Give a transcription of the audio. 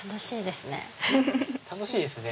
楽しいですね。